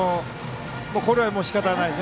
これは、しかたないです。